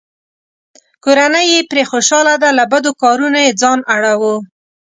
کورنۍ یې پرې خوشحاله ده؛ له بدو کارونو یې ځان اړووه.